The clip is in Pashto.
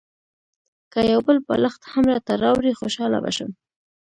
که یو بل بالښت هم راته راوړې خوشاله به شم.